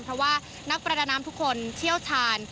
เพราะว่านักประดาน้ำทุกคนเชี่ยวชาญ